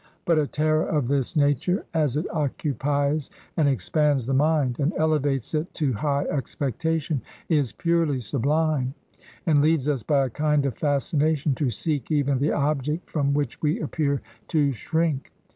But a terror of this nature, as it occupies and expands the mind, and elevates it to high expectation, is purely sub lime, and leads us, by a kind of fascination, to seek even the object from which we appear to shrink.